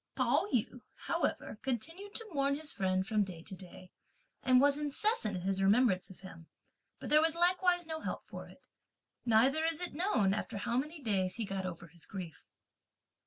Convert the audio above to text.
Pao yü, however, continued to mourn (his friend) from day to day, and was incessant in his remembrance of him, but there was likewise no help for it. Neither is it known after how many days he got over his grief.